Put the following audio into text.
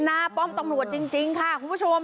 ป้อมตำรวจจริงค่ะคุณผู้ชม